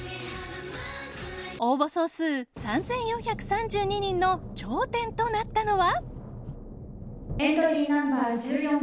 応募総数３４３２人の頂点となったのは。